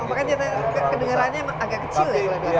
makanya kedengerannya agak kecil ya